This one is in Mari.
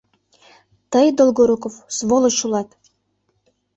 — Тый, Долгоруков, сволочь улат!